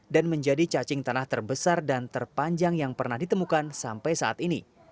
dan menjadi cacing tanah terbesar dan terpanjang yang pernah ditemukan sampai saat ini